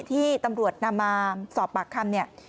ที่ตำรวจนำมาสอบปากคำ